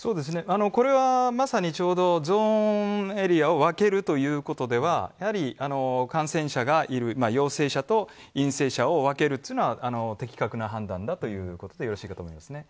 これは、まさにゾーンエリアを分けるということでは感染者がいる陽性者と陰性者を分けるというのは的確な判断だということでよろしいと思います。